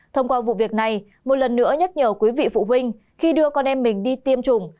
thông qua vụ việc này một lần nữa nhắc nhở quý vị phụ huynh khi đưa con em mình đi tiêm chủng